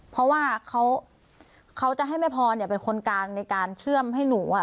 เพราะว่าเขาจะให้แม่พรเป็นคนกลางในการเชื่อมให้หนู